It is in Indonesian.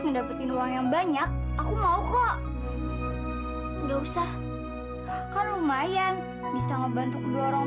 dapetin uang yang banyak aku mau kok nggak usah kan lumayan bisa ngebantu dorong